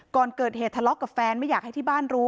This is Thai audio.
ก่อนเกิดเหตุทะเลาะกับแฟนไม่อยากให้ที่บ้านรู้